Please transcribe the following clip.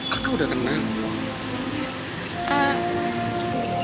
kakak udah kenal